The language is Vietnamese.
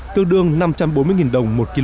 tương đương năm trăm bốn mươi đồng một kg